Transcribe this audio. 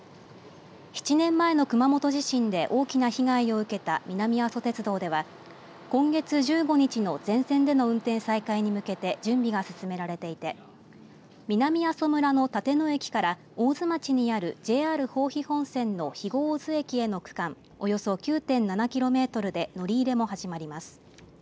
７年前の熊本地震で大きな被害を受けた南阿蘇鉄道では今月１５日の全線での運転再開に向けて準備が進められていて南阿蘇村の立野駅から大津町にあるＪＲ豊肥本線の肥後大津駅への区間およそ９．７キロで乗り入れも始まります。